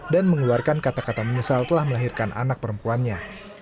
dan mengeluarkan kata kata menyesal telah melahirkan anak perempuannya